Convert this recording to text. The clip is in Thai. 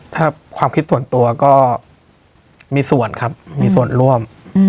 ถ้าความคิดส่วนตัวก็มีส่วนครับมีส่วนร่วม